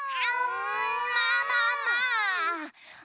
まあまあまあ。